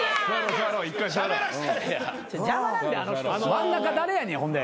真ん中誰やねんほんで。